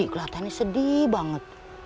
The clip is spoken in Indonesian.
kelatannya sedih banget